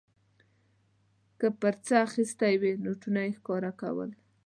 که په څه اخیستې وې نوټونه یې ښکاره کول.